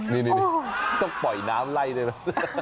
นี่ต้องปล่อยน้ำไล่ได้ไหม